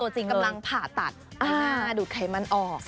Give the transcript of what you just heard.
ช่วงที่เธอกำลังผ่าตัดดูดไขมันออก